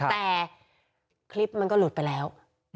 แต่คลิปมันก็หลุดไปแล้ว